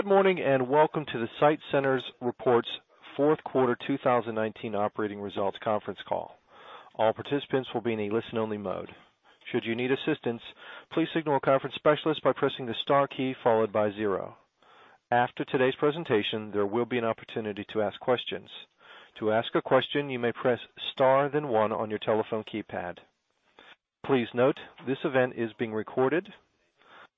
Good morning, and welcome to the SITE Centers reports fourth quarter 2019 operating results conference call. All participants will be in a listen-only mode. Should you need assistance, please signal a conference specialist by pressing the star key followed by zero. After today's presentation, there will be an opportunity to ask questions. To ask a question, you may press star, then one on your telephone keypad. Please note, this event is being recorded.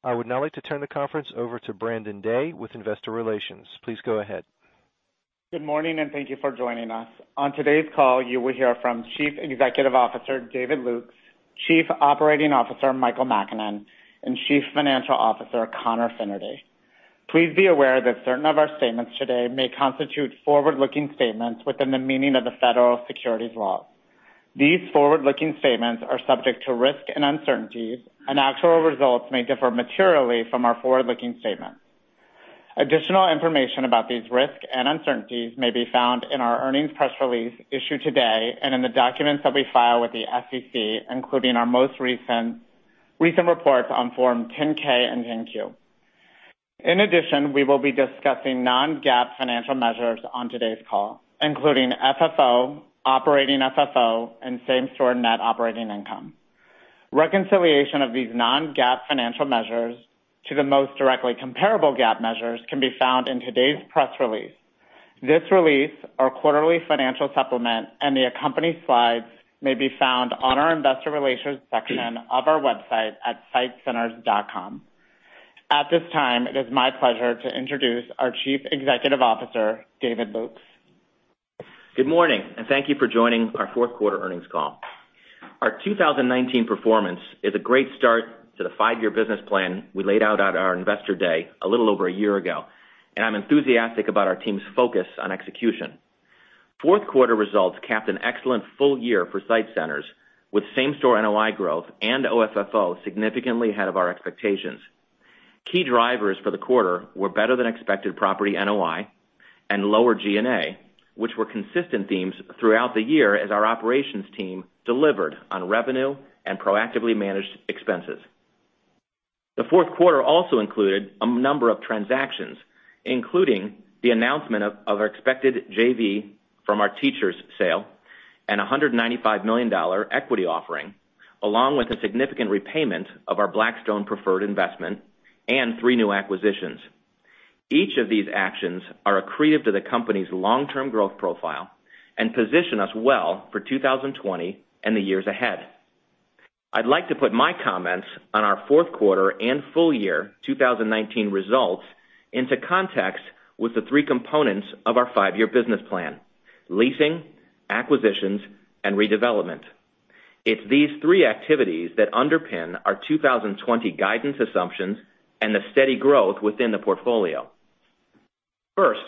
I would now like to turn the conference over to Brandon Day with investor relations. Please go ahead. Good morning, and thank you for joining us. On today's call, you will hear from Chief Executive Officer, David Lukes, Chief Operating Officer, Michael Makinen, and Chief Financial Officer, Conor Fennerty. Please be aware that certain of our statements today may constitute forward-looking statements within the meaning of the federal securities laws. These forward-looking statements are subject to risks and uncertainties, and actual results may differ materially from our forward-looking statements. Additional information about these risks and uncertainties may be found in our earnings press release issued today and in the documents that we file with the SEC, including our most recent reports on Form 10-K and 10-Q. In addition, we will be discussing non-GAAP financial measures on today's call, including FFO, operating FFO, and same-store net operating income. Reconciliation of these non-GAAP financial measures to the most directly comparable GAAP measures can be found in today's press release. This release, our quarterly financial supplement, and the accompanying slides may be found on our investor relations section of our website at sitecenters.com. At this time, it is my pleasure to introduce our Chief Executive Officer, David Lukes. Good morning. Thank you for joining our fourth quarter earnings call. Our 2019 performance is a great start to the five-year business plan we laid out at our Investor Day a little over a year ago. I'm enthusiastic about our team's focus on execution. Fourth quarter results capped an excellent full year for SITE Centers, with same-store NOI growth and OFFO significantly ahead of our expectations. Key drivers for the quarter were better than expected property NOI and lower G&A, which were consistent themes throughout the year as our operations team delivered on revenue and proactively managed expenses. The fourth quarter also included a number of transactions, including the announcement of our expected JV from our Teachers sale and a $195 million equity offering, along with a significant repayment of our Blackstone preferred investment and three new acquisitions. Each of these actions are accretive to the company's long-term growth profile and position us well for 2020 and the years ahead. I'd like to put my comments on our fourth quarter and full year 2019 results into context with the three components of our five-year business plan: leasing, acquisitions, and redevelopment. It's these three activities that underpin our 2020 guidance assumptions and the steady growth within the portfolio. First,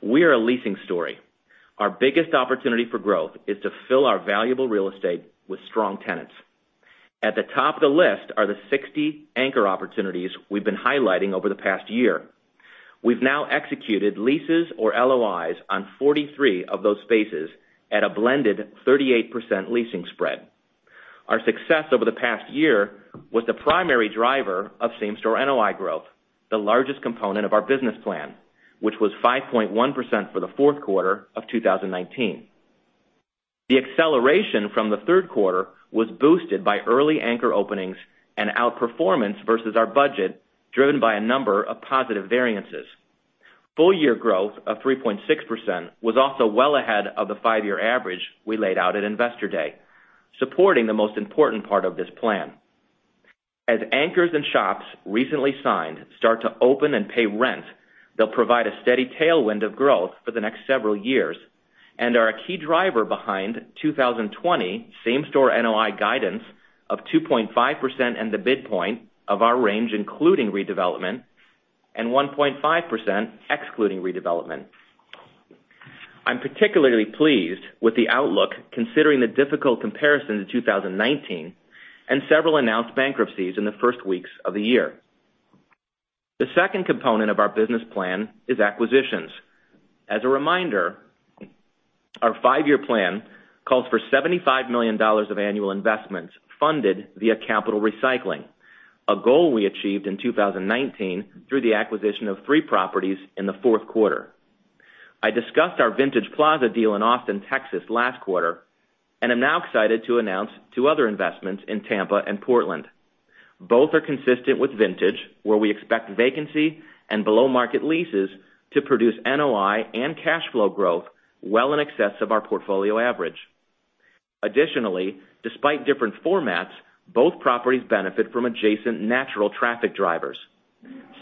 we are a leasing story. Our biggest opportunity for growth is to fill our valuable real estate with strong tenants. At the top of the list are the 60 anchor opportunities we've been highlighting over the past year. We've now executed leases or LOIs on 43 of those spaces at a blended 38% leasing spread. Our success over the past year was the primary driver of same-store NOI growth, the largest component of our business plan, which was 5.1% for the fourth quarter of 2019. The acceleration from the third quarter was boosted by early anchor openings and outperformance versus our budget, driven by a number of positive variances. Full-year growth of 3.6% was also well ahead of the five-year average we laid out at Investor Day, supporting the most important part of this plan. As anchors and shops recently signed start to open and pay rent, they'll provide a steady tailwind of growth for the next several years and are a key driver behind 2020 same-store NOI guidance of 2.5% in the midpoint of our range, including redevelopment, and 1.5% excluding redevelopment. I'm particularly pleased with the outlook, considering the difficult comparisons in 2019 and several announced bankruptcies in the first weeks of the year. The second component of our business plan is acquisitions. As a reminder, our five-year plan calls for $75 million of annual investments funded via capital recycling, a goal we achieved in 2019 through the acquisition of three properties in the fourth quarter. I discussed our Vintage Plaza deal in Austin, Texas last quarter, and I'm now excited to announce two other investments in Tampa and Portland. Both are consistent with Vintage, where we expect vacancy and below-market leases to produce NOI and cash flow growth well in excess of our portfolio average. Additionally, despite different formats, both properties benefit from adjacent natural traffic drivers.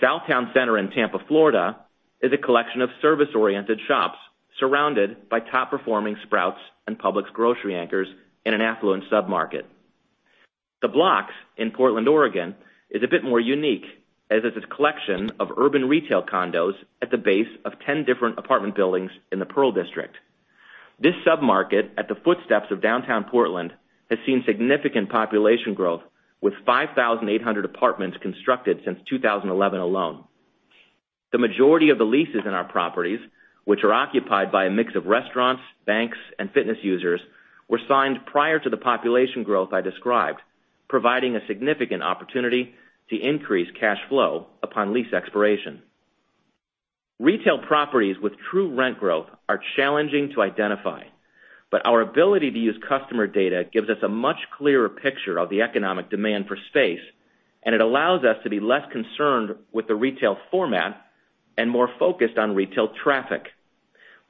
Southtown Center in Tampa, Florida is a collection of service-oriented shops surrounded by top-performing Sprouts and Publix grocery anchors in an affluent submarket. The Blocks in Portland, Oregon is a bit more unique as it's a collection of urban retail condos at the base of 10 different apartment buildings in the Pearl District. This submarket at the footsteps of downtown Portland has seen significant population growth, with 5,800 apartments constructed since 2011 alone. The majority of the leases in our properties, which are occupied by a mix of restaurants, banks, and fitness users, were signed prior to the population growth I described, providing a significant opportunity to increase cash flow upon lease expiration. Retail properties with true rent growth are challenging to identify, but our ability to use customer data gives us a much clearer picture of the economic demand for space, and it allows us to be less concerned with the retail format and more focused on retail traffic.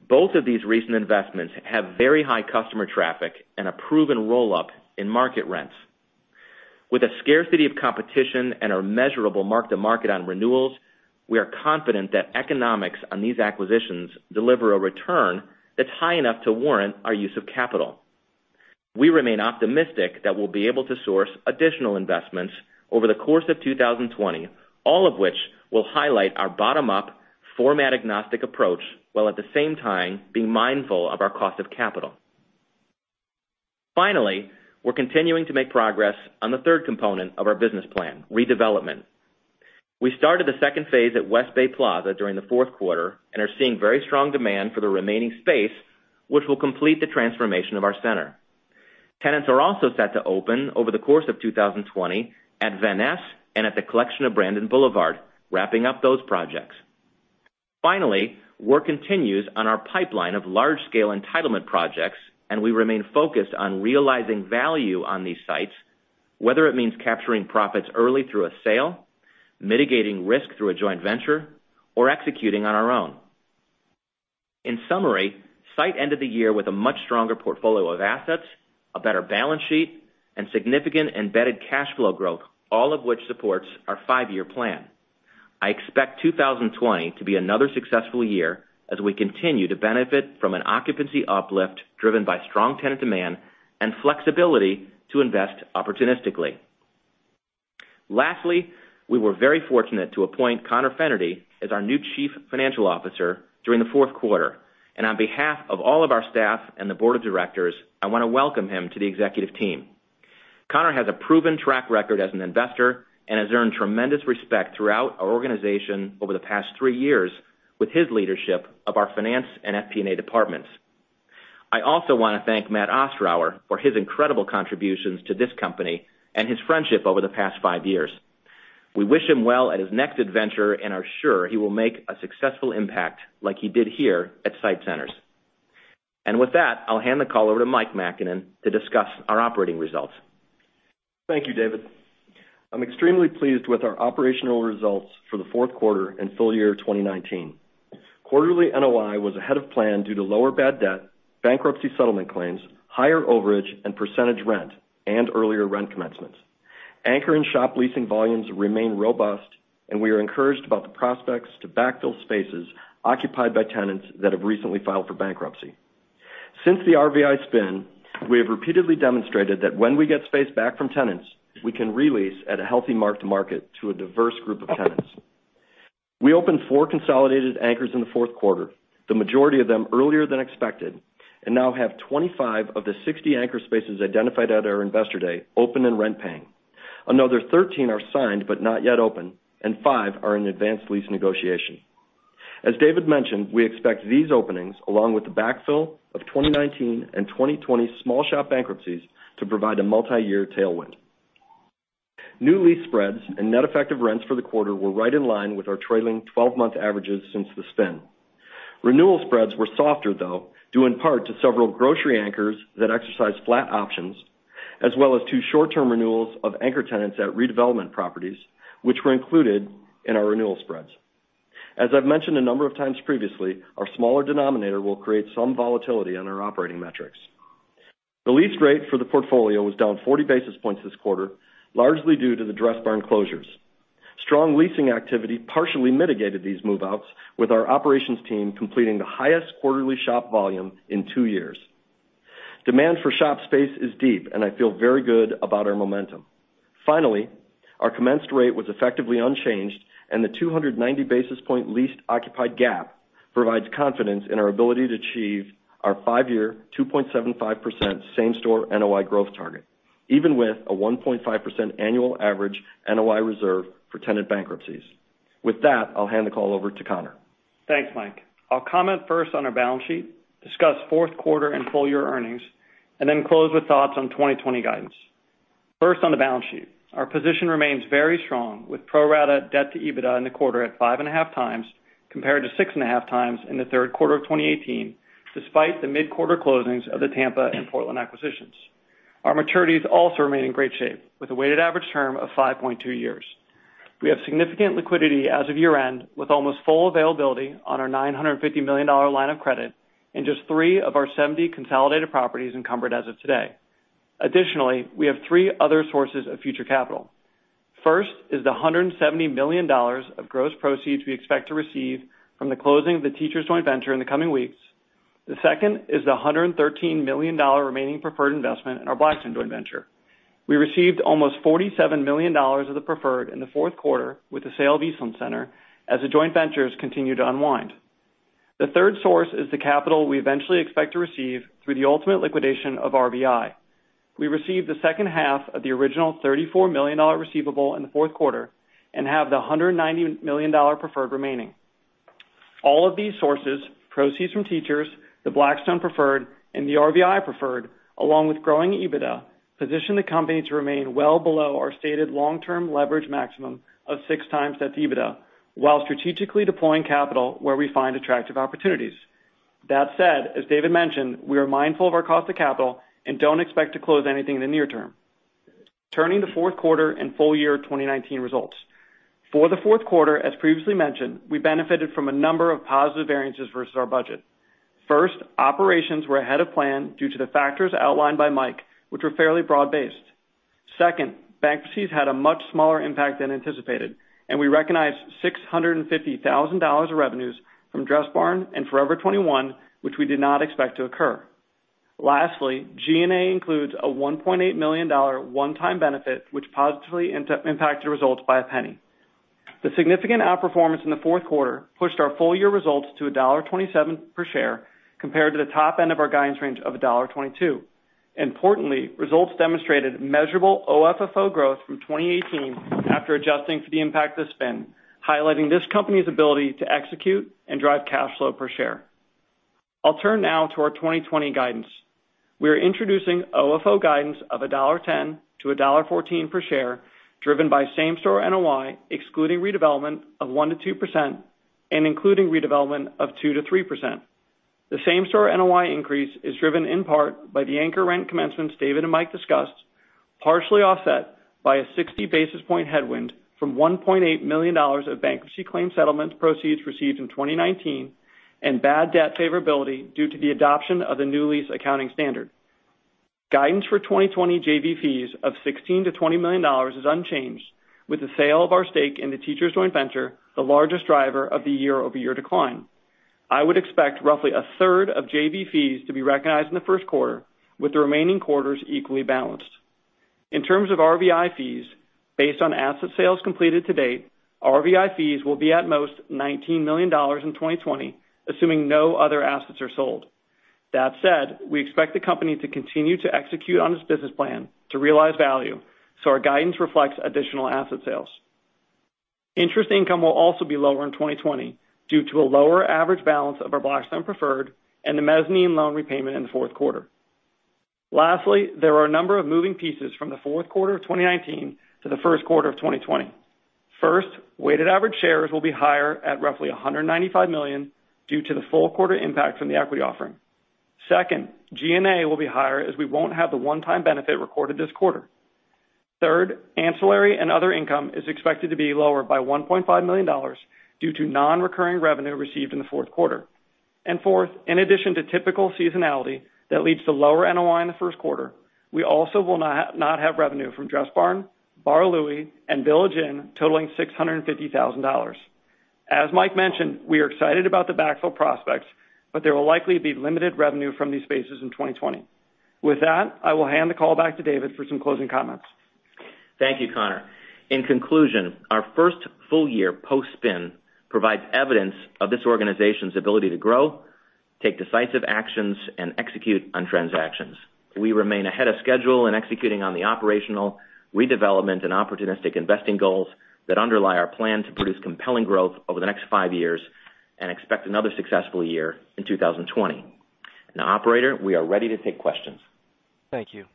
Both of these recent investments have very high customer traffic and a proven roll-up in market rents. With a scarcity of competition and our measurable mark-to-market on renewals, we are confident that economics on these acquisitions deliver a return that's high enough to warrant our use of capital. We remain optimistic that we'll be able to source additional investments over the course of 2020, all of which will highlight our bottom-up format-agnostic approach, while at the same time, being mindful of our cost of capital. Finally, we're continuing to make progress on the third component of our business plan, redevelopment. We started the second phase at West Bay Plaza during the fourth quarter and are seeing very strong demand for the remaining space, which will complete the transformation of our center. Tenants are also set to open over the course of 2020 at Van Ness and at The Collection at Brandon Boulevard, wrapping up those projects. Finally, work continues on our pipeline of large-scale entitlement projects, and we remain focused on realizing value on these sites, whether it means capturing profits early through a sale, mitigating risk through a joint venture, or executing on our own. In summary, SITE ended the year with a much stronger portfolio of assets, a better balance sheet, and significant embedded cash flow growth, all of which supports our five-year plan. I expect 2020 to be another successful year as we continue to benefit from an occupancy uplift driven by strong tenant demand and flexibility to invest opportunistically. Lastly, we were very fortunate to appoint Conor Fennerty as our new Chief Financial Officer during the fourth quarter. On behalf of all of our staff and the board of directors, I want to welcome him to the executive team. Conor has a proven track record as an investor and has earned tremendous respect throughout our organization over the past three years with his leadership of our finance and FP&A departments. I also want to thank Matt Ostrower for his incredible contributions to this company and his friendship over the past five years. We wish him well at his next adventure and are sure he will make a successful impact like he did here at SITE Centers. With that, I'll hand the call over to Mike Makinen to discuss our operating results. Thank you, David. I'm extremely pleased with our operational results for the fourth quarter and full year 2019. Quarterly NOI was ahead of plan due to lower bad debt, bankruptcy settlement claims, higher overage and percentage rent, and earlier rent commencements. Anchor and shop leasing volumes remain robust, and we are encouraged about the prospects to backfill spaces occupied by tenants that have recently filed for bankruptcy. Since the RVI spin, we have repeatedly demonstrated that when we get space back from tenants, we can re-lease at a healthy mark to market to a diverse group of tenants. We opened four consolidated anchors in the fourth quarter, the majority of them earlier than expected, and now have 25 of the 60 anchor spaces identified at our investor day open and rent-paying. Another 13 are signed but not yet open, and five are in advanced lease negotiation. As David mentioned, we expect these openings, along with the backfill of 2019 and 2020 small shop bankruptcies, to provide a multiyear tailwind. New lease spreads and net effective rents for the quarter were right in line with our trailing 12-month averages since the spin. Renewal spreads were softer, though, due in part to several grocery anchors that exercised flat options, as well as two short-term renewals of anchor tenants at redevelopment properties, which were included in our renewal spreads. As I've mentioned a number of times previously, our smaller denominator will create some volatility in our operating metrics. The lease rate for the portfolio was down 40 basis points this quarter, largely due to the Dressbarn closures. Strong leasing activity partially mitigated these move-outs, with our operations team completing the highest quarterly shop volume in two years. Demand for shop space is deep. I feel very good about our momentum. Finally, our commenced rate was effectively unchanged. The 290 basis point leased occupied gap provides confidence in our ability to achieve our five-year, 2.75% same-store NOI growth target, even with a 1.5% annual average NOI reserve for tenant bankruptcies. With that, I'll hand the call over to Conor. Thanks, Mike. I'll comment first on our balance sheet, discuss fourth quarter and full-year earnings, and then close with thoughts on 2020 guidance. First, on the balance sheet. Our position remains very strong with pro-rata debt to EBITDA in the quarter at 5.5x, compared to 6.5x in the third quarter of 2018, despite the mid-quarter closings of the Tampa and Portland acquisitions. Our maturities also remain in great shape with a weighted average term of 5.2 years. We have significant liquidity as of year-end, with almost full availability on our $950 million line of credit and just three of our 70 consolidated properties encumbered as of today. Additionally, we have three other sources of future capital. First is the $170 million of gross proceeds we expect to receive from the closing of the Teachers joint venture in the coming weeks. The second is the $113 million remaining preferred investment in our Blackstone joint venture. We received almost $47 million of the preferred in the fourth quarter with the sale of Eastland Center as the joint ventures continue to unwind. The third source is the capital we eventually expect to receive through the ultimate liquidation of RVI. We received the second half of the original $34 million receivable in the fourth quarter and have the $190 million preferred remaining. All of these sources, proceeds from Teachers, the Blackstone preferred, and the RVI preferred, along with growing EBITDA, position the company to remain well below our stated long-term leverage maximum of 6x debt to EBITDA while strategically deploying capital where we find attractive opportunities. That said, as David mentioned, we are mindful of our cost of capital and don't expect to close anything in the near term. Turning to fourth quarter and full year 2019 results. For the fourth quarter, as previously mentioned, we benefited from a number of positive variances versus our budget. First, operations were ahead of plan due to the factors outlined by Mike, which were fairly broad-based. Second, bankruptcies had a much smaller impact than anticipated, and we recognized $650,000 of revenues from Dressbarn and Forever 21, which we did not expect to occur. Lastly, G&A includes a $1.8 million one-time benefit, which positively impacted results by $0.01. The significant outperformance in the fourth quarter pushed our full year results to $1.27 per share compared to the top end of our guidance range of $1.22. Importantly, results demonstrated measurable OFFO growth from 2018 after adjusting for the impact of spin, highlighting this company's ability to execute and drive cash flow per share. I'll turn now to our 2020 guidance. We are introducing OFFO guidance of $1.10-$1.14 per share, driven by same-store NOI, excluding redevelopment of 1%-2% and including redevelopment of 2%-3%. The same-store NOI increase is driven in part by the anchor rent commencements David and Mike discussed, partially offset by a 60 basis point headwind from $1.8 million of bankruptcy claim settlements proceeds received in 2019 and bad debt favorability due to the adoption of the new lease accounting standard. Guidance for 2020 JV fees of $16 million-$20 million is unchanged, with the sale of our stake in the Teachers joint venture, the largest driver of the year-over-year decline. I would expect roughly a third of JV fees to be recognized in the first quarter, with the remaining quarters equally balanced. In terms of RVI fees, based on asset sales completed to date, RVI fees will be at most $19 million in 2020, assuming no other assets are sold. We expect the company to continue to execute on its business plan to realize value, our guidance reflects additional asset sales. Interest income will also be lower in 2020 due to a lower average balance of our Blackstone preferred and the mezzanine loan repayment in the fourth quarter. There are a number of moving pieces from the fourth quarter of 2019 to the first quarter of 2020. Weighted average shares will be higher at roughly $195 million due to the full quarter impact from the equity offering. Second, G&A will be higher as we won't have the one-time benefit recorded this quarter. Third, ancillary and other income is expected to be lower by $1.5 million due to non-recurring revenue received in the fourth quarter. Fourth, in addition to typical seasonality that leads to lower NOI in the first quarter, we also will not have revenue from Dressbarn, Bar Louie, and Village Inn totaling $650,000. As Mike mentioned, we are excited about the backfill prospects, but there will likely be limited revenue from these spaces in 2020. With that, I will hand the call back to David for some closing comments. Thank you, Conor. In conclusion, our first full year post-spin provides evidence of this organization's ability to grow, take decisive actions, and execute on transactions. We remain ahead of schedule in executing on the operational, redevelopment, and opportunistic investing goals that underlie our plan to produce compelling growth over the next five years and expect another successful year in 2020. Operator, we are ready to take questions. Thank you.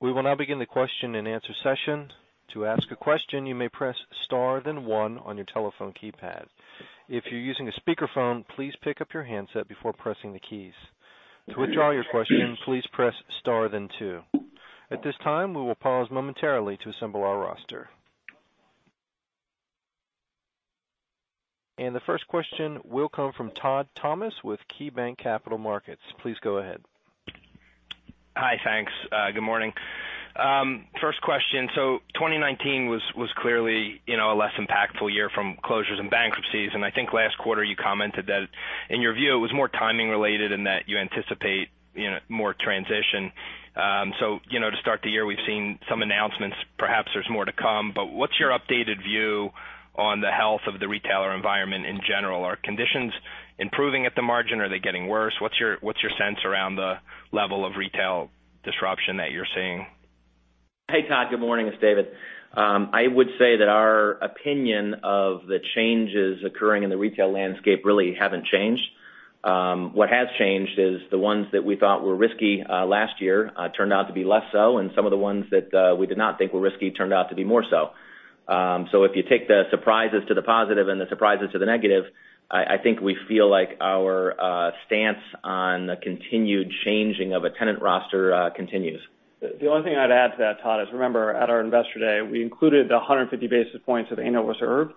We will now begin the question and answer session. To ask a question, you may press star then one on your telephone keypad. If you're using a speakerphone, please pick up your handset before pressing the keys. To withdraw your question, please press star then two. At this time, we will pause momentarily to assemble our roster. The first question will come from Todd Thomas with KeyBanc Capital Markets. Please go ahead. Hi, thanks. Good morning. First question. 2019 was clearly a less impactful year from closures and bankruptcies, and I think last quarter you commented that in your view, it was more timing related and that you anticipate more transition. To start the year, we've seen some announcements. Perhaps there's more to come, but what's your updated view on the health of the retailer environment in general? Are conditions improving at the margin? Are they getting worse? What's your sense around the level of retail disruption that you're seeing? Hey, Todd. Good morning. It's David. I would say that our opinion of the changes occurring in the retail landscape really haven't changed. What has changed is the ones that we thought were risky last year turned out to be less so, and some of the ones that we did not think were risky turned out to be more so. If you take the surprises to the positive and the surprises to the negative, I think we feel like our stance on the continued changing of a tenant roster continues. The only thing I'd add to that, Todd, is remember at our Investor Day, we included the 150 basis points of annual reserve.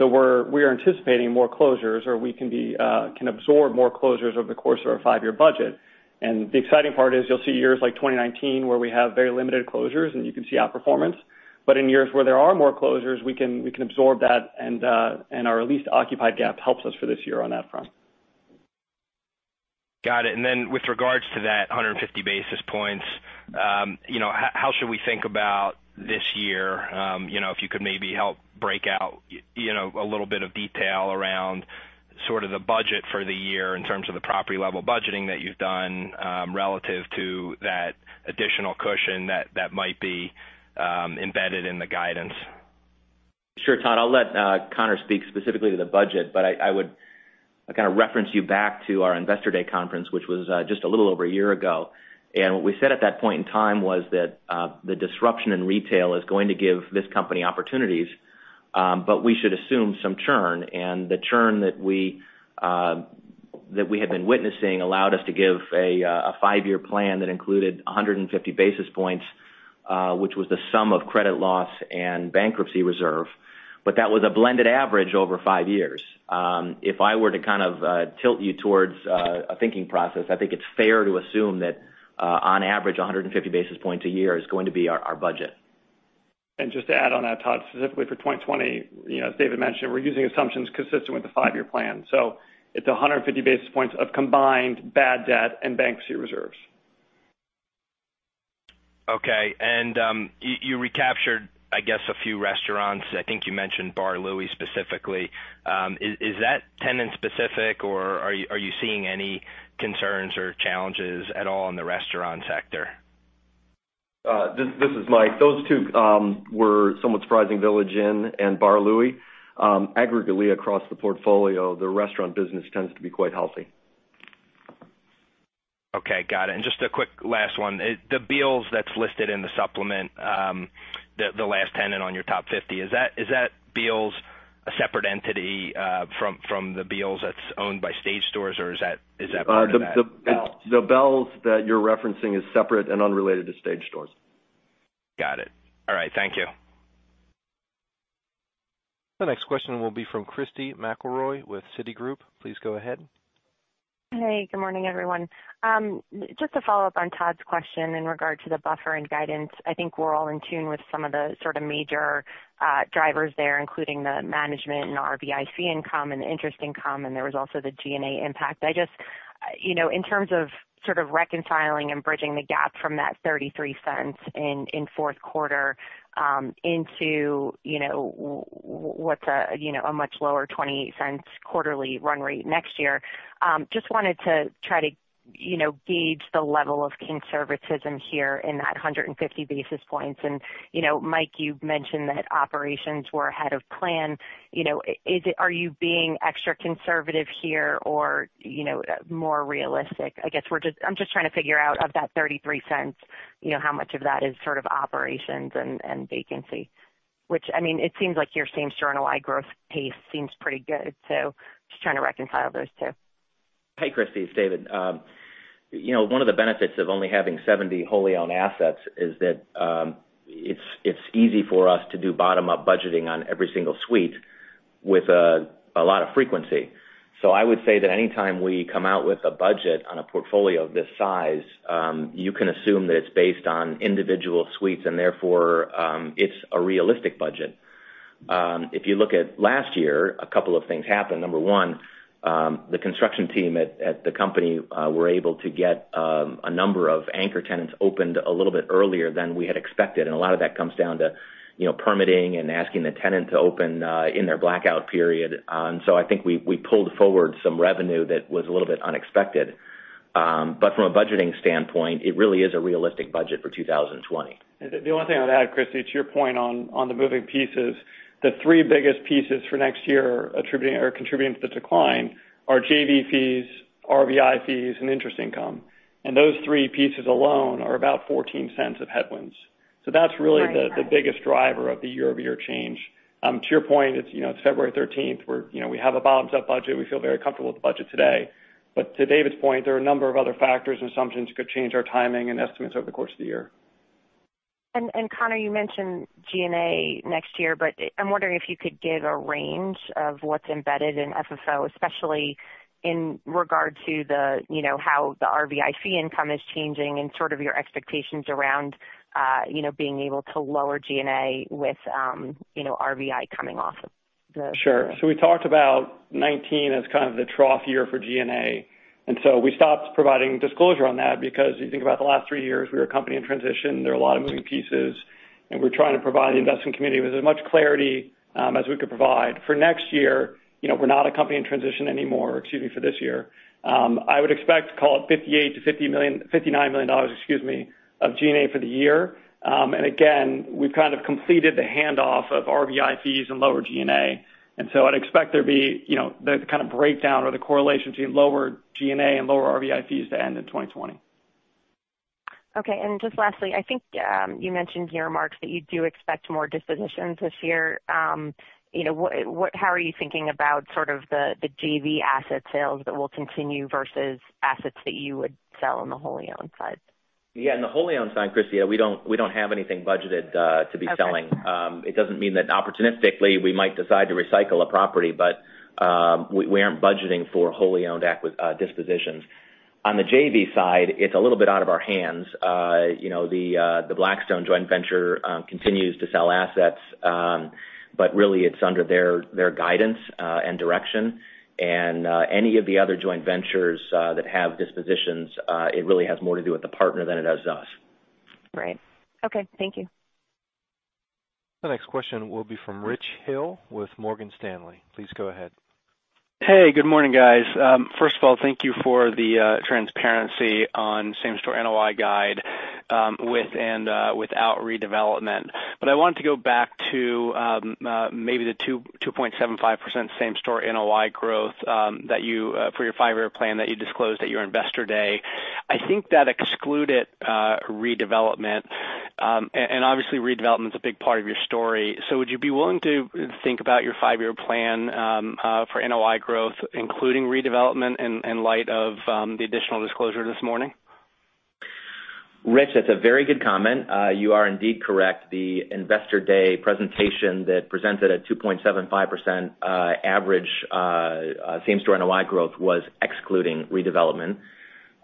We are anticipating more closures, or we can absorb more closures over the course of our five-year budget. The exciting part is you'll see years like 2019 where we have very limited closures and you can see outperformance. In years where there are more closures, we can absorb that, and our leased occupied gap helps us for this year on that front. Got it. Then with regards to that 150 basis points, how should we think about this year? If you could maybe help break out a little bit of detail around sort of the budget for the year in terms of the property level budgeting that you've done, relative to that additional cushion that might be embedded in the guidance? Sure, Todd. I'll let Conor speak specifically to the budget, but I would kind of reference you back to our Investor Day conference, which was just a little over a year ago. What we said at that point in time was that the disruption in retail is going to give this company opportunities, but we should assume some churn. The churn that we had been witnessing allowed us to give a five-year plan that included 150 basis points, which was the sum of credit loss and bankruptcy reserve. That was a blended average over five years. If I were to kind of tilt you towards a thinking process, I think it's fair to assume that on average, 150 basis points a year is going to be our budget. Just to add on that, Todd, specifically for 2020, as David mentioned, we're using assumptions consistent with the five-year plan. It's 150 basis points of combined bad debt and bankruptcy reserves. Okay. You recaptured, I guess, a few restaurants. I think you mentioned Bar Louie specifically. Is that tenant-specific, or are you seeing any concerns or challenges at all in the restaurant sector? This is Mike. Those two were somewhat surprising, Village Inn and Bar Louie. Aggregately across the portfolio, the restaurant business tends to be quite healthy. Okay. Got it. Just a quick last one. The Bealls that's listed in the supplement, the last tenant on your top 50, is that Bealls a separate entity from the Bealls that's owned by Stage Stores, or is that part of that? The Bealls that you're referencing is separate and unrelated to Stage Stores. Got it. All right. Thank you. The next question will be from Christy McElroy with Citigroup. Please go ahead. Hey, good morning, everyone. Just to follow up on Todd's question in regard to the buffer and guidance, I think we're all in tune with some of the sort of major drivers there, including the management and RVI fee income and the interest income, and there was also the G&A impact. In terms of sort of reconciling and bridging the gap from that $0.33 in fourth quarter into what's a much lower $0.28 quarterly run rate next year, just wanted to try to gauge the level of conservatism here in that 150 basis points. Mike, you've mentioned that operations were ahead of plan. Are you being extra conservative here or more realistic? I guess I'm just trying to figure out of that $0.33, how much of that is sort of operations and vacancy. Which, it seems like your same-store NOI growth pace seems pretty good. Just trying to reconcile those two. Hey, Christy. It's David. One of the benefits of only having 70 wholly owned assets is that it's easy for us to do bottom-up budgeting on every single suite with a lot of frequency. I would say that any time we come out with a budget on a portfolio of this size, you can assume that it's based on individual suites and therefore, it's a realistic budget. If you look at last year, a couple of things happened. Number one, the construction team at the company were able to get a number of anchor tenants opened a little bit earlier than we had expected. A lot of that comes down to permitting and asking the tenant to open in their blackout period. I think we pulled forward some revenue that was a little bit unexpected. From a budgeting standpoint, it really is a realistic budget for 2020. The only thing I'd add, Christy, to your point on the moving pieces, the three biggest pieces for next year contributing to the decline are JV fees, RVI fees, and interest income. Those three pieces alone are about $0.14 of headwinds. That's really the biggest driver of the year-over-year change. To your point, it's February 13th. We have a bottoms-up budget. We feel very comfortable with the budget today. To David's point, there are a number of other factors and assumptions that could change our timing and estimates over the course of the year. Conor, you mentioned G&A next year, but I'm wondering if you could give a range of what's embedded in FFO, especially in regard to how the RVI fee income is changing and sort of your expectations around being able to lower G&A with RVI coming off the. Sure. We talked about 2019 as kind of the trough year for G&A. We stopped providing disclosure on that because you think about the last three years, we were a company in transition. There are a lot of moving pieces, and we're trying to provide the investing community with as much clarity as we could provide. For next year, we're not a company in transition anymore. Excuse me, for this year. I would expect to call it $58 million-$59 million of G&A for the year. We've kind of completed the handoff of RVI fees and lower G&A. I'd expect there'd be the kind of breakdown or the correlation between lower G&A and lower RVI fees to end in 2020. Okay. Just lastly, I think you mentioned in your remarks that you do expect more dispositions this year. How are you thinking about sort of the JV asset sales that will continue versus assets that you would sell on the wholly owned side? Yeah. On the wholly owned side, Christy, we don't have anything budgeted to be selling. It doesn't mean that opportunistically we might decide to recycle a property, but we aren't budgeting for wholly owned dispositions. On the JV side, it's a little bit out of our hands. The Blackstone joint venture continues to sell assets, but really it's under their guidance and direction. Any of the other joint ventures that have dispositions, it really has more to do with the partner than it does us. Right. Okay. Thank you. The next question will be from Rich Hill with Morgan Stanley. Please go ahead. Hey, good morning, guys. First of all, thank you for the transparency on same-store NOI guide, with and without redevelopment. I wanted to go back to maybe the 2.75% same-store NOI growth for your five-year plan that you disclosed at your Investor Day. I think that excluded redevelopment, and obviously, redevelopment is a big part of your story. Would you be willing to think about your five-year plan for NOI growth, including redevelopment, in light of the additional disclosure this morning? Rich, that's a very good comment. You are indeed correct. The Investor Day presentation that presented a 2.75% average same-store NOI growth was excluding redevelopment.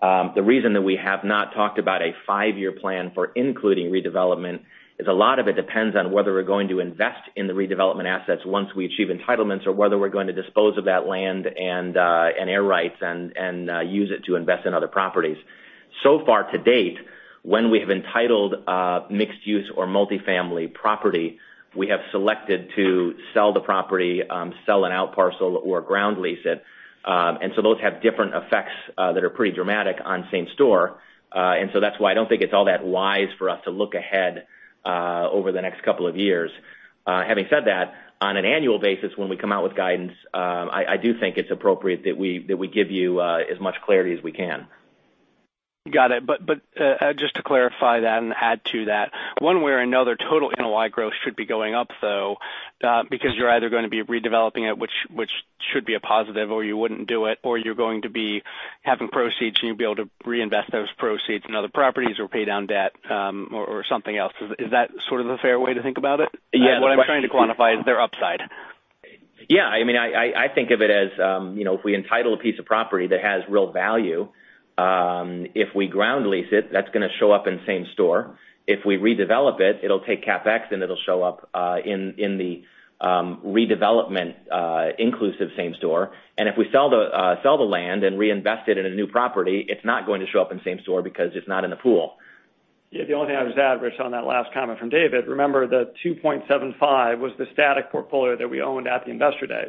The reason that we have not talked about a five-year plan for including redevelopment is a lot of it depends on whether we're going to invest in the redevelopment assets once we achieve entitlements or whether we're going to dispose of that land and air rights and use it to invest in other properties. So far to date, when we have entitled mixed-use or multi-family property, we have selected to sell the property, sell an out parcel, or ground lease it. Those have different effects that are pretty dramatic on same-store. That's why I don't think it's all that wise for us to look ahead over the next couple of years. Having said that, on an annual basis, when we come out with guidance, I do think it's appropriate that we give you as much clarity as we can. Got it. Just to clarify that and add to that, one way or another, total NOI growth should be going up, though, because you're either going to be redeveloping it, which should be a positive, or you wouldn't do it. You're going to be having proceeds, and you'll be able to reinvest those proceeds in other properties or pay down debt, or something else. Is that sort of the fair way to think about it? What I'm trying to quantify is their upside. Yeah. I think of it as, if we entitle a piece of property that has real value, if we ground lease it, that's going to show up in same-store. If we redevelop it'll take CapEx, and it'll show up in the redevelopment inclusive same-store. If we sell the land and reinvest it in a new property, it's not going to show up in same-store because it's not in the pool. Yeah. The only thing I would add, Rich, on that last comment from David, remember, the 2.75% was the static portfolio that we owned at the Investor Day.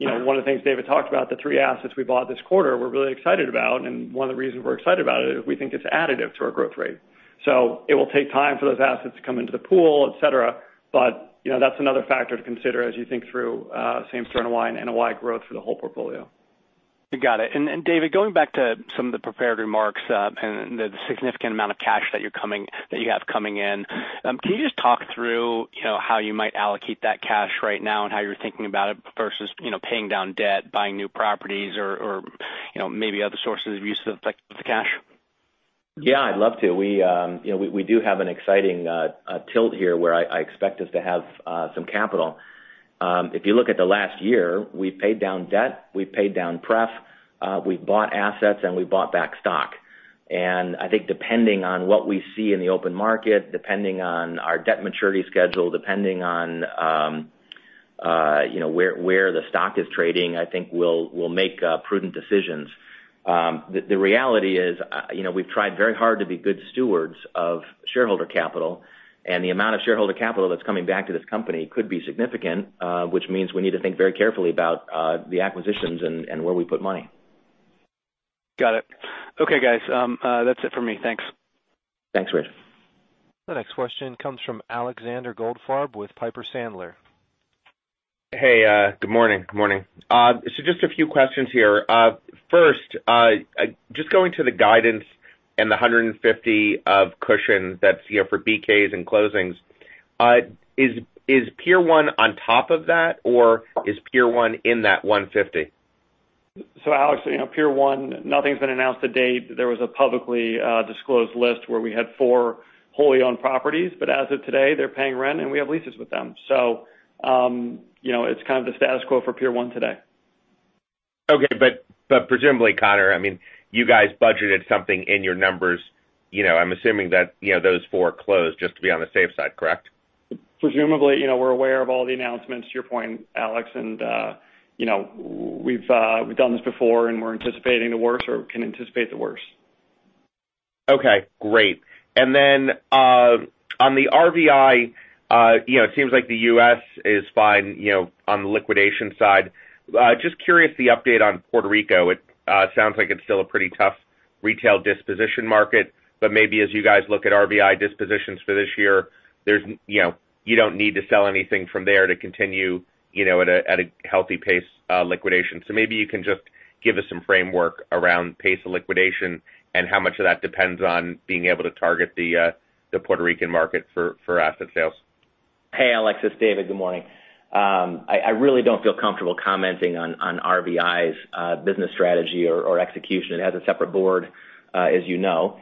One of the things David talked about, the three assets we bought this quarter, we're really excited about, and one of the reasons we're excited about it is we think it's additive to our growth rate. It will take time for those assets to come into the pool, et cetera, but that's another factor to consider as you think through same-store NOI and NOI growth for the whole portfolio. Got it. David, going back to some of the prepared remarks and the significant amount of cash that you have coming in. Can you just talk through how you might allocate that cash right now and how you're thinking about it versus paying down debt, buying new properties, or maybe other sources of use of the cash? Yeah, I'd love to. We do have an exciting tilt here where I expect us to have some capital. If you look at the last year, we've paid down debt, we've paid down pref, we've bought assets. We bought back stock. I think depending on what we see in the open market, depending on our debt maturity schedule, depending on where the stock is trading, I think we'll make prudent decisions. The reality is, we've tried very hard to be good stewards of shareholder capital, and the amount of shareholder capital that's coming back to this company could be significant, which means we need to think very carefully about the acquisitions and where we put money. Got it. Okay, guys. That's it for me. Thanks. Thanks, Rich. The next question comes from Alexander Goldfarb with Piper Sandler. Hey, good morning. Just a few questions here. First, just going to the guidance and the 150 of cushion that's for BKs and closings. Is Pier 1 on top of that, or is Pier 1 in that 150? Alex, Pier 1, nothing's been announced to date. There was a publicly disclosed list where we had four wholly owned properties, but as of today, they're paying rent, and we have leases with them. It's kind of the status quo for Pier 1 today. Okay. Presumably, Conor, you guys budgeted something in your numbers. I'm assuming that those four closed just to be on the safe side, correct? Presumably, we're aware of all the announcements, to your point, Alex, and we've done this before, and we're anticipating the worst, or we can anticipate the worst. Okay, great. On the RVI, it seems like the U.S. is fine on the liquidation side. Just curious the update on Puerto Rico. It sounds like it's still a pretty tough retail disposition market. Maybe as you guys look at RVI dispositions for this year, you don't need to sell anything from there to continue at a healthy pace liquidation. Maybe you can just give us some framework around pace of liquidation and how much of that depends on being able to target the Puerto Rican market for asset sales. Hey, Alex, it's David. Good morning. I really don't feel comfortable commenting on RVI's business strategy or execution. It has a separate board, as you know.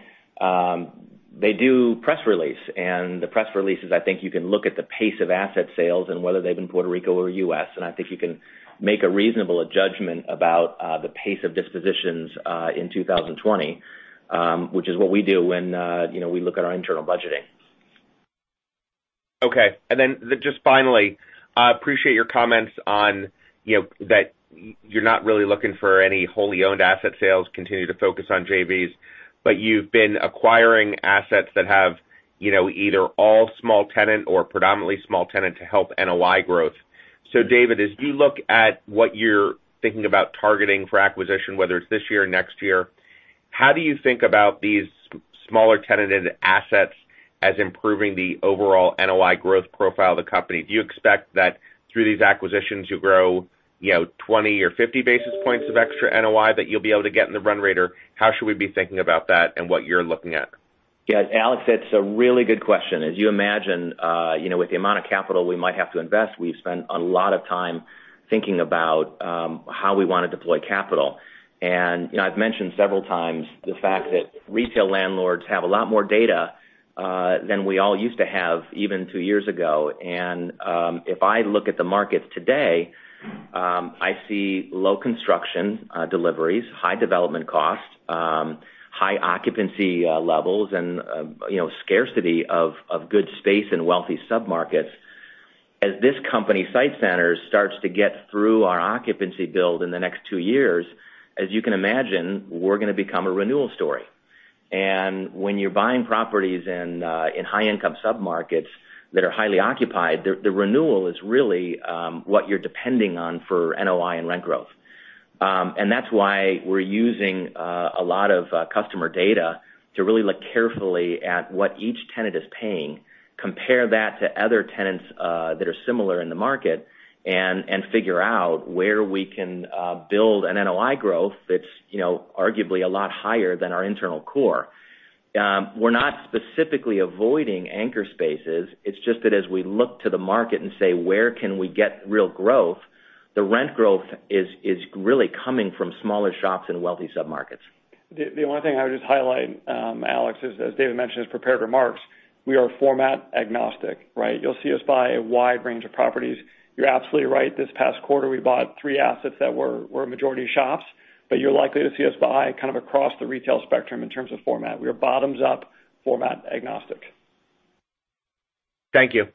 They do press release, the press releases, I think you can look at the pace of asset sales and whether they're in Puerto Rico or U.S., and I think you can make a reasonable judgment about the pace of dispositions in 2020, which is what we do when we look at our internal budgeting. Okay. Just finally, I appreciate your comments on that you're not really looking for any wholly owned asset sales, continue to focus on JVs. You've been acquiring assets that have, you know, either all small tenant or predominantly small tenant to help NOI growth. David, as you look at what you're thinking about targeting for acquisition, whether it's this year or next year, how do you think about these smaller tenanted assets as improving the overall NOI growth profile of the company? Do you expect that through these acquisitions, you'll grow 20 or 50 basis points of extra NOI that you'll be able to get in the run rate? How should we be thinking about that and what you're looking at? Yes, Alex, that's a really good question. As you imagine, with the amount of capital we might have to invest, we've spent a lot of time thinking about how we want to deploy capital. I've mentioned several times the fact that retail landlords have a lot more data than we all used to have even two years ago. If I look at the market today, I see low construction deliveries, high development costs, high occupancy levels, and scarcity of good space in wealthy submarkets. As this company, SITE Centers, starts to get through our occupancy build in the next two years, as you can imagine, we're going to become a renewal story. When you're buying properties in high-income submarkets that are highly occupied, the renewal is really what you're depending on for NOI and rent growth. That's why we're using a lot of customer data to really look carefully at what each tenant is paying, compare that to other tenants that are similar in the market, and figure out where we can build an NOI growth that's arguably a lot higher than our internal core. We're not specifically avoiding anchor spaces. It's just that as we look to the market and say, where can we get real growth? The rent growth is really coming from smaller shops in wealthy submarkets. The only thing I would just highlight, Alex, is, as David mentioned his prepared remarks, we are format agnostic. You'll see us buy a wide range of properties. You're absolutely right. This past quarter, we bought three assets that were majority shops. You're likely to see us buy kind of across the retail spectrum in terms of format. We are bottoms-up, format agnostic. Thank you.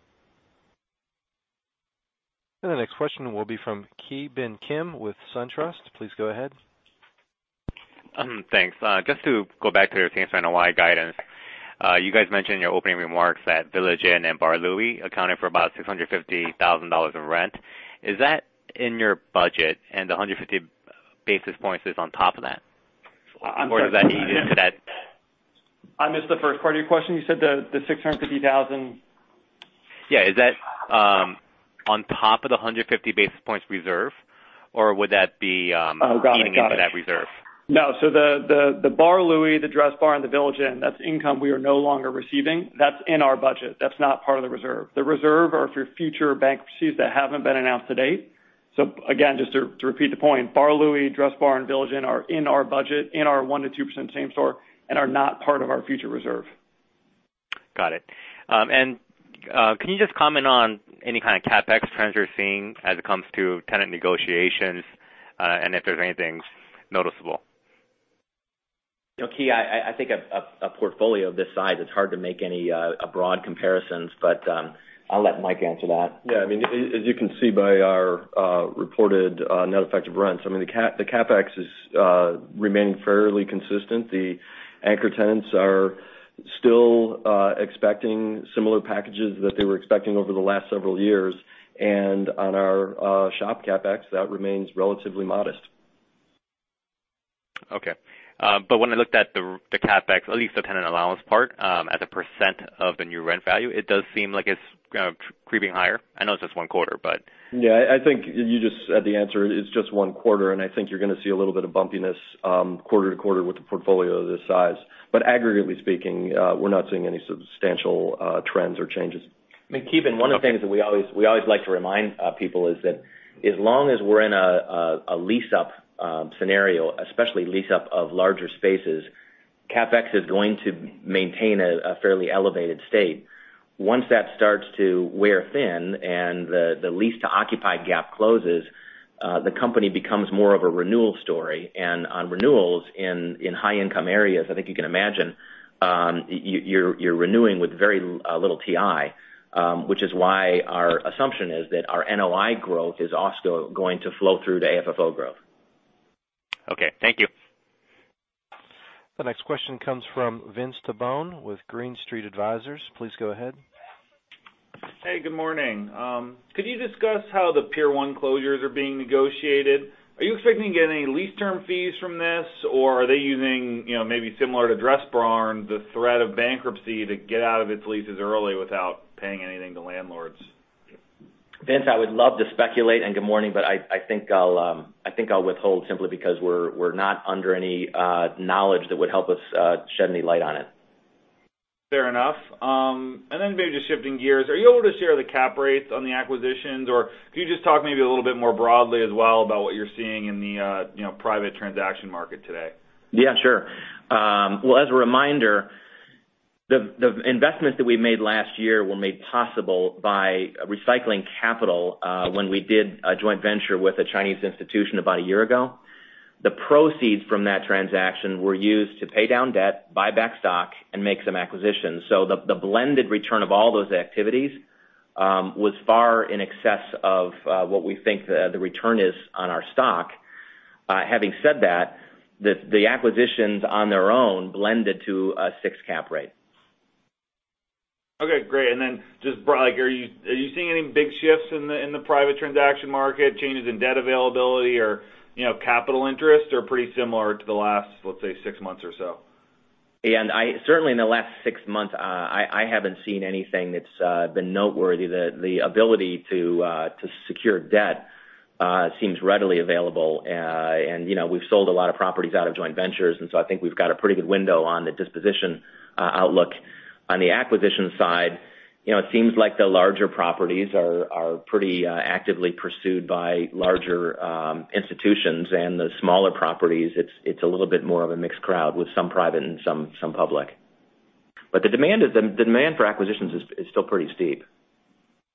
The next question will be from Ki Bin Kim with SunTrust. Please go ahead. Thanks. Just to go back to your same-store NOI guidance. You guys mentioned in your opening remarks that Village Inn and Bar Louie accounted for about $650,000 of rent. Is that in your budget and the 150 basis points is on top of that? Does that eat into that? I missed the first part of your question. You said the $650,000. Yeah. Is that on top of the 150 basis points reserve? Oh, got it. Eating into that reserve? No. The Bar Louie, the Dressbarn, and the Village Inn, that's income we are no longer receiving. That's in our budget. That's not part of the reserve. The reserve are for future bankruptcies that haven't been announced to date. Again, just to repeat the point, Bar Louie, Dressbarn, Village Inn are in our budget, in our 1%-2% same-store, and are not part of our future reserve. Got it. Can you just comment on any kind of CapEx trends you're seeing as it comes to tenant negotiations, and if there's anything noticeable? Ki, I think a portfolio of this size, it's hard to make any broad comparisons, but I'll let Mike answer that. As you can see by our reported net effective rents, the CapEx is remaining fairly consistent. The anchor tenants are still expecting similar packages that they were expecting over the last several years. On our shop CapEx, that remains relatively modest. Okay. When I looked at the CapEx, at least the tenant allowance part, as a percent of the new rent value, it does seem like it's creeping higher. I know it's just one quarter. Yeah, I think you just said the answer. It's just one quarter. I think you're going to see a little bit of bumpiness, quarter-to-quarter with a portfolio this size. Aggregately speaking, we're not seeing any substantial trends or changes. Ki Bin, one of the things that we always like to remind people is that as long as we're in a lease-up scenario, especially lease-up of larger spaces, CapEx is going to maintain a fairly elevated state. Once that starts to wear thin and the leased to occupied gap closes, the company becomes more of a renewal story. On renewals in high-income areas, I think you can imagine, you're renewing with very little TI, which is why our assumption is that our NOI growth is also going to flow through to AFFO growth. Okay. Thank you. The next question comes from Vince Tibone with Green Street Advisors. Please go ahead. Hey, good morning. Could you discuss how the Pier 1 closures are being negotiated? Are you expecting to get any lease term fees from this, or are they using maybe similar to Dressbarn, the threat of bankruptcy to get out of its leases early without paying anything to landlords? Vince, I would love to speculate, and good morning, but I think I'll withhold simply because we're not under any knowledge that would help us shed any light on it. Fair enough. Maybe just shifting gears, are you able to share the cap rates on the acquisitions, or can you just talk maybe a little bit more broadly as well about what you're seeing in the private transaction market today? Sure. Well, as a reminder, the investments that we made last year were made possible by recycling capital when we did a joint venture with a Chinese institution about a year ago. The proceeds from that transaction were used to pay down debt, buy back stock, and make some acquisitions. The blended return of all those activities was far in excess of what we think the return is on our stock. Having said that, the acquisitions on their own blended to a six cap rate. Okay, great. Just broadly, are you seeing any big shifts in the private transaction market, changes in debt availability or capital interest, or pretty similar to the last, let's say, six months or so? Yeah. Certainly in the last six months, I haven't seen anything that's been noteworthy. The ability to secure debt seems readily available. We've sold a lot of properties out of joint ventures, and so I think we've got a pretty good window on the disposition outlook. On the acquisition side, it seems like the larger properties are pretty actively pursued by larger institutions, and the smaller properties, it's a little bit more of a mixed crowd with some private and some public. The demand for acquisitions is still pretty steep.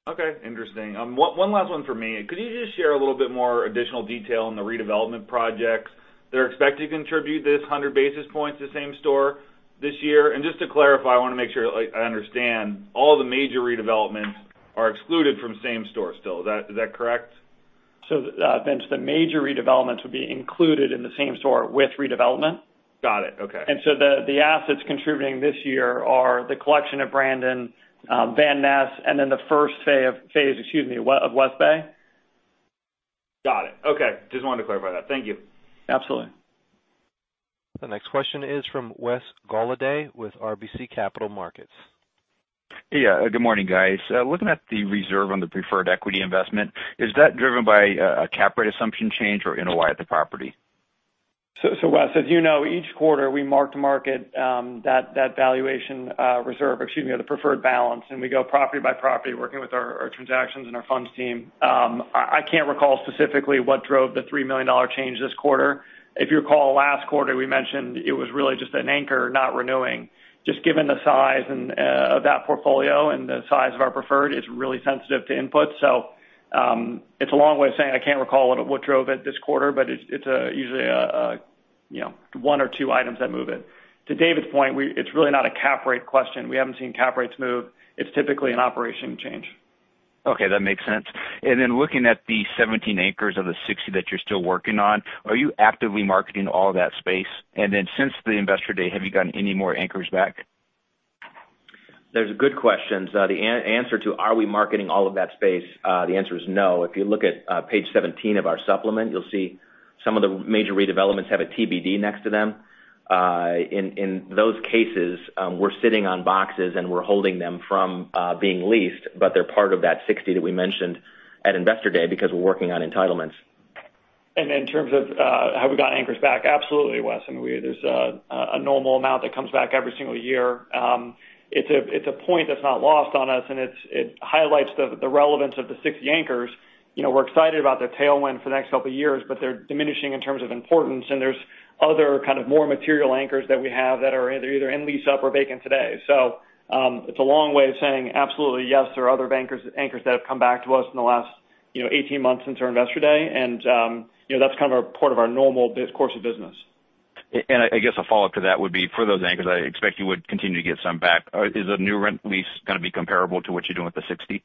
Okay, interesting. One last one for me. Could you just share a little bit more additional detail on the redevelopment projects that are expected to contribute this 100 basis points to same-store this year? Just to clarify, I want to make sure I understand, all the major redevelopments are excluded from same-store still. Is that correct? Vince, the major redevelopments would be included in the same-store with redevelopment. Got it. Okay. The assets contributing this year are The Collection at Brandon, Van Ness, and the first, excuse me, of West Bay. Got it. Okay. Just wanted to clarify that. Thank you. Absolutely. The next question is from Wes Golladay with RBC Capital Markets. Yeah, good morning, guys. Looking at the reserve on the preferred equity investment, is that driven by a cap rate assumption change or NOI at the property? Wes, as you know, each quarter we mark-to-market that valuation reserve, excuse me, or the preferred balance. We go property by property, working with our transactions and our funds team. I can't recall specifically what drove the $3 million change this quarter. If you recall, last quarter we mentioned it was really just an anchor not renewing. Given the size of that portfolio and the size of our preferred, it's really sensitive to input. It's a long way of saying I can't recall what drove it this quarter, but it's usually one or two items that move it. To David's point, it's really not a cap rate question. We haven't seen cap rates move. It's typically an operation change. Okay, that makes sense. Looking at the 17 anchors of the 60 that you're still working on, are you actively marketing all that space? Since the Investor Day, have you gotten any more anchors back? Those are good questions. The answer to are we marketing all of that space, the answer is no. If you look at page 17 of our supplement, you'll see some of the major redevelopments have a TBD next to them. In those cases, we're sitting on boxes and we're holding them from being leased, but they're part of that 60 that we mentioned at Investor Day because we're working on entitlements. In terms of have we gotten anchors back, absolutely, Wes. There's a normal amount that comes back every single year. It's a point that's not lost on us, and it highlights the relevance of the 60 anchors. We're excited about their tailwind for the next couple of years, but they're diminishing in terms of importance, and there's other kind of more material anchors that we have that are either in lease-up or vacant today. It's a long way of saying absolutely yes, there are other anchors that have come back to us in the last 18 months since our Investor Day. That's kind of part of our normal course of business. I guess a follow-up to that would be for those anchors, I expect you would continue to get some back. Is the new rent lease going to be comparable to what you're doing with the 60?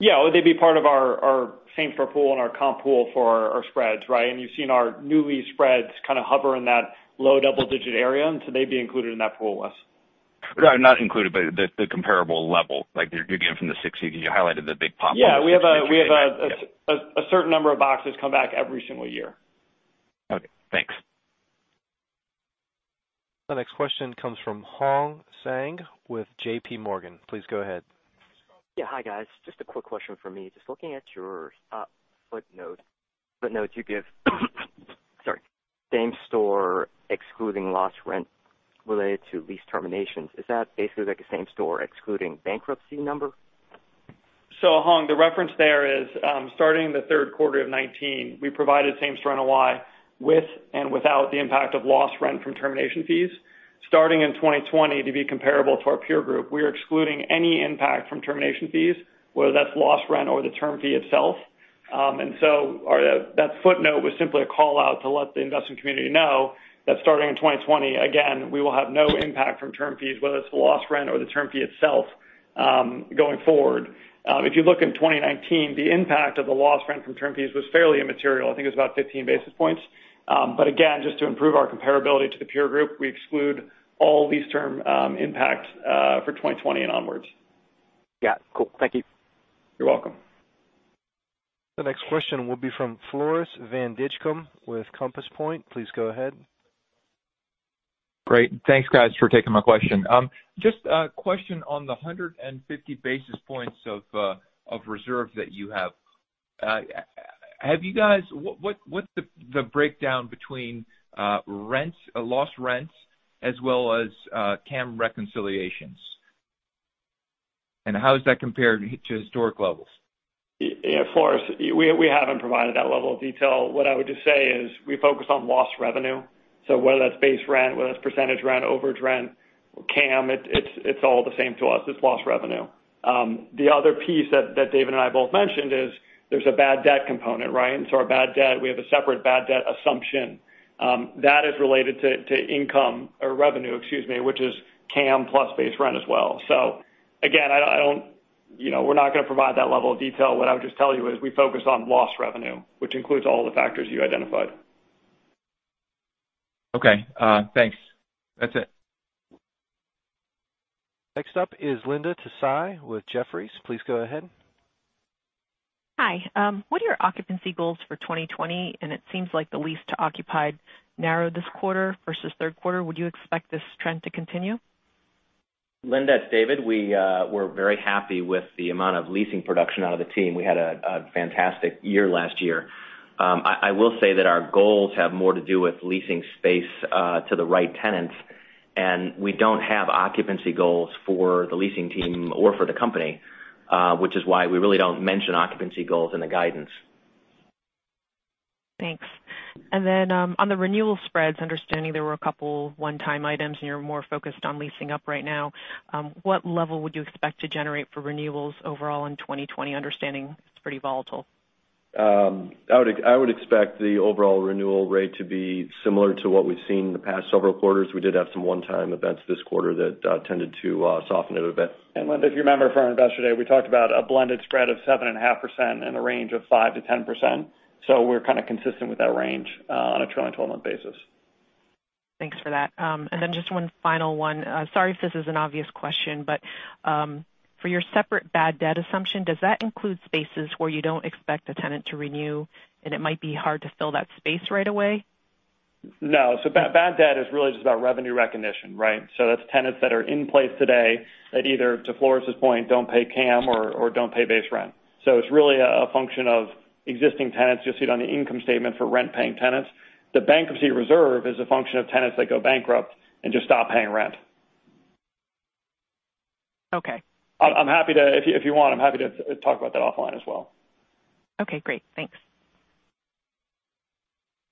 Yeah. They'd be part of our same-store pool and our comp pool for our spreads, right? You've seen our new lease spreads kind of hover in that low double-digit area, and so they'd be included in that pool, Wes. No, not included, but the comparable level, like you're getting from the 60 because you highlighted the big populace. Yeah, we have a certain number of boxes come back every single year. Okay, thanks. The next question comes from Hong Zhang with JPMorgan. Please go ahead. Yeah. Hi, guys. Just a quick question from me. Just looking at your footnotes you give. Sorry. Same-store excluding lost rent related to lease terminations. Is that basically like a same-store excluding bankruptcy number? Hong, the reference there is starting in the third quarter of 2019, we provided same-store NOI with and without the impact of lost rent from termination fees. Starting in 2020, to be comparable to our peer group, we are excluding any impact from termination fees, whether that's lost rent or the term fee itself. That footnote was simply a call-out to let the investment community know that starting in 2020, again, we will have no impact from term fees, whether it's the lost rent or the term fee itself going forward. If you look in 2019, the impact of the lost rent from term fees was fairly immaterial. I think it was about 15 basis points. Again, just to improve our comparability to the peer group, we exclude all lease term impact for 2020 and onwards. Yeah, cool. Thank you. You're welcome. The next question will be from Floris van Dijkum with Compass Point. Please go ahead. Great. Thanks, guys, for taking my question. Just a question on the 150 basis points of reserve that you have. What's the breakdown between lost rents as well as CAM reconciliations? How does that compare to historic levels? Yeah, Floris, we haven't provided that level of detail. What I would just say is we focus on lost revenue. Whether that's base rent, whether that's percentage rent, overage rent, or CAM, it's all the same to us. It's lost revenue. The other piece that David and I both mentioned is there's a bad debt component, right? Our bad debt, we have a separate bad debt assumption. That is related to income or revenue, excuse me, which is CAM plus base rent as well. Again, we're not going to provide that level of detail. What I would just tell you is we focus on lost revenue, which includes all the factors you identified. Okay. Thanks. That's it. Next up is Linda Tsai with Jefferies. Please go ahead. Hi. What are your occupancy goals for 2020? It seems like the lease to occupied narrowed this quarter versus third quarter. Would you expect this trend to continue? Linda, it's David. We were very happy with the amount of leasing production out of the team. We had a fantastic year last year. I will say that our goals have more to do with leasing space to the right tenants, and we don't have occupancy goals for the leasing team or for the company, which is why we really don't mention occupancy goals in the guidance. Thanks. On the renewal spreads, understanding there were a couple one-time items, and you're more focused on leasing up right now, what level would you expect to generate for renewals overall in 2020, understanding it's pretty volatile? I would expect the overall renewal rate to be similar to what we've seen in the past several quarters. We did have some one-time events this quarter that tended to soften it a bit. Linda, if you remember from our Investor Day, we talked about a blended spread of 7.5% and a range of 5%-10%. We're kind of consistent with that range on a trailing 12-month basis. Thanks for that. Just one final one. Sorry if this is an obvious question, for your separate bad debt assumption, does that include spaces where you don't expect the tenant to renew and it might be hard to fill that space right away? Bad debt is really just about revenue recognition, right? That's tenants that are in place today that either, to Floris's point, don't pay CAM or don't pay base rent. It's really a function of existing tenants. You'll see it on the income statement for rent-paying tenants. The bankruptcy reserve is a function of tenants that go bankrupt and just stop paying rent. Okay. If you want, I'm happy to talk about that offline as well. Okay, great. Thanks.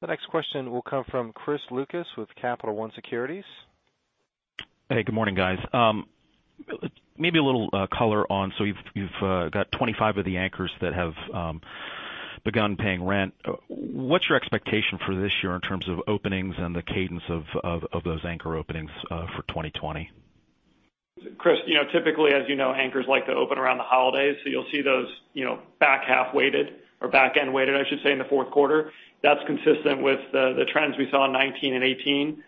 The next question will come from Chris Lucas with Capital One Securities. Hey, good morning, guys. Maybe a little color on, You've got 25 of the anchors that have begun paying rent. What's your expectation for this year in terms of openings and the cadence of those anchor openings for 2020? Chris, typically, as you know, anchors like to open around the holidays. You'll see those back half-weighted or back-end weighted, I should say, in the fourth quarter. That's consistent with the trends we saw in 2019 and 2018.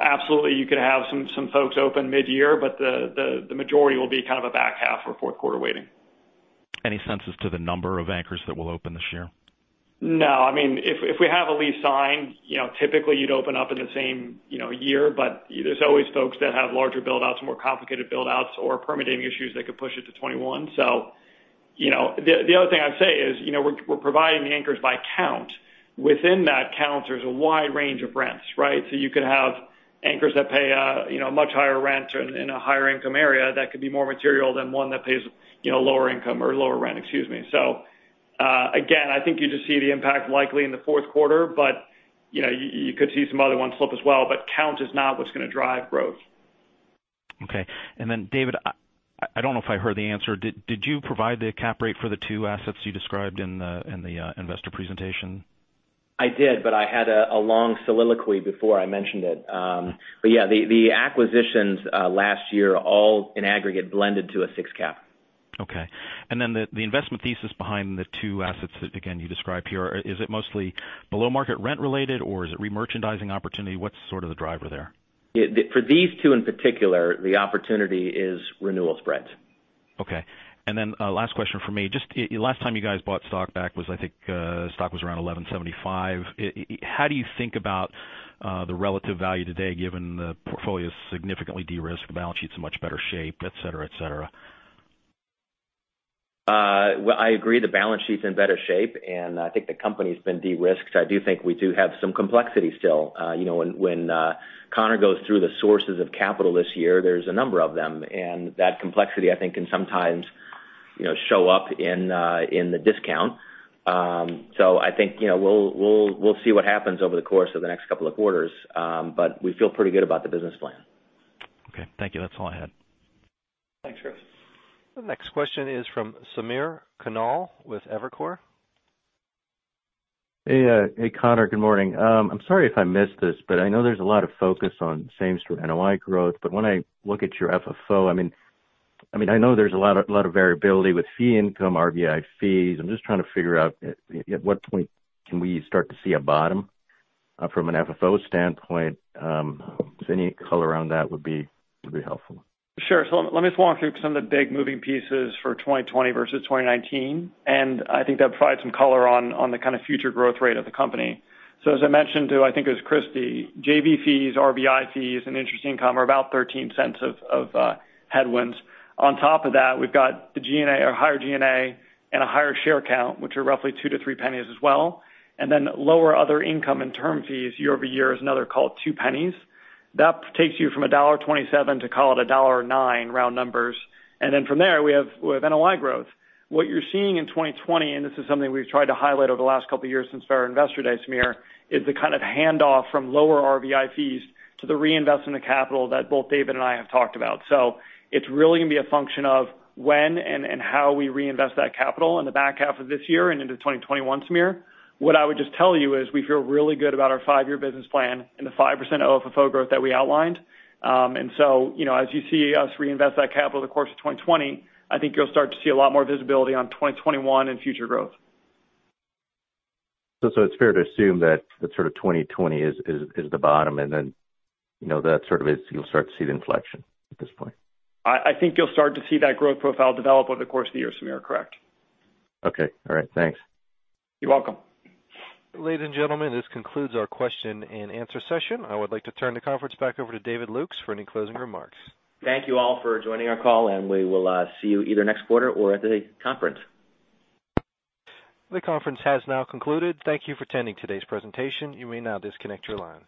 Absolutely, you could have some folks open mid-year. The majority will be kind of a back half or fourth quarter waiting. Any senses to the number of anchors that will open this year? No. If we have a lease signed, typically you'd open up in the same year. There's always folks that have larger build-outs, more complicated build-outs, or permitting issues that could push it to 2021. The other thing I'd say is we're providing the anchors by count. Within that count, there's a wide range of rents, right? You could have anchors that pay a much higher rent in a higher income area that could be more material than one that pays lower income or lower rent, excuse me. Again, I think you just see the impact likely in the fourth quarter, but you could see some other ones slip as well, but count is not what's going to drive growth. Okay. David, I don't know if I heard the answer. Did you provide the cap rate for the two assets you described in the investor presentation? I did, but I had a long soliloquy before I mentioned it. Yeah, the acquisitions last year all in aggregate blended to a six cap. Okay. The investment thesis behind the two assets, again, you described here, is it mostly below-market rent related, or is it re-merchandising opportunity? What's sort of the driver there? For these two in particular, the opportunity is renewal spreads. Okay. Last question from me. Just last time you guys bought stock back was, I think, stock was around $11.75. How do you think about the relative value today given the portfolio is significantly de-risked, the balance sheet's in much better shape, et cetera? Well, I agree the balance sheet's in better shape, and I think the company's been de-risked. I do think we do have some complexity still. When Conor goes through the sources of capital this year, there's a number of them, and that complexity, I think, can sometimes show up in the discount. I think we'll see what happens over the course of the next couple of quarters. We feel pretty good about the business plan. Okay. Thank you. That's all I had. Thanks, Chris. The next question is from Samir Khanal with Evercore. Hey, Conor. Good morning. I'm sorry if I missed this, but I know there's a lot of focus on same-store NOI growth. When I look at your FFO, I know there's a lot of variability with fee income, RVI fees. I'm just trying to figure out at what point can we start to see a bottom from an FFO standpoint. If any color around that would be helpful. Sure. Let me just walk through some of the big moving pieces for 2020 versus 2019, and I think that provides some color on the kind of future growth rate of the company. As I mentioned to, I think it was Christy, JV fees, RVI fees, and interest income are about $0.13 of headwinds. On top of that, we've got a higher G&A and a higher share count, which are roughly $0.02-$0.03 as well, and then lower other income and term fees year-over-year is another, call it $0.02. That takes you from $1.27 to call it $1.09, round numbers. From there, we have NOI growth. What you're seeing in 2020, this is something we've tried to highlight over the last couple of years since our Investor Day, Samir, is the kind of handoff from lower RVI fees to the reinvestment of capital that both David and I have talked about. It's really going to be a function of when and how we reinvest that capital in the back half of this year and into 2021, Samir. What I would just tell you is we feel really good about our five-year business plan and the 5% FFO growth that we outlined. As you see us reinvest that capital over the course of 2020, I think you'll start to see a lot more visibility on 2021 and future growth. It's fair to assume that 2020 is the bottom, and then that you'll start to see the inflection at this point. I think you'll start to see that growth profile develop over the course of the year, Samir. Correct. Okay. All right. Thanks. You're welcome. Ladies and gentlemen, this concludes our question and answer session. I would like to turn the conference back over to David Lukes for any closing remarks. Thank you all for joining our call, and we will see you either next quarter or at the conference. The conference has now concluded. Thank you for attending today's presentation. You may now disconnect your lines.